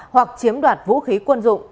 hoặc chiếm đoạt vũ khí quân dụng